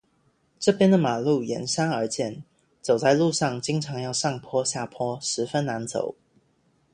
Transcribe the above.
这边的马路沿山而建，走在路上经常要上坡下坡，十分难走。